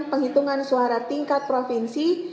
penghitungan suara tingkat provinsi